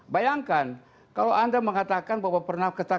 bayangkan kalau anda mengatakan bahwa pernah ketat